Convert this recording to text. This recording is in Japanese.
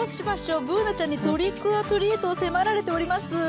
Ｂｏｏｎａちゃんにトリック・オア・トリートを迫られてます